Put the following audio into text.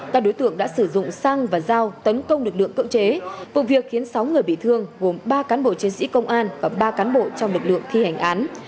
các đối tượng đã sử dụng xăng và dao tấn công lực lượng cưỡng chế vụ việc khiến sáu người bị thương gồm ba cán bộ chiến sĩ công an và ba cán bộ trong lực lượng thi hành án